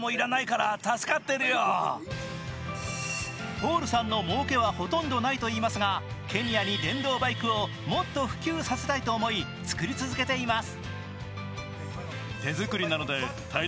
ポールさんのもうけはほとんどないといいますがケニアに電動バイクをもっと普及させたいと思い作り続けています。